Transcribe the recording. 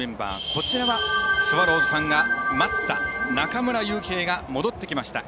こちらはスワローズファンが待った中村悠平が戻ってきました。